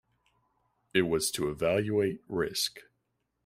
It was to evaluate risk.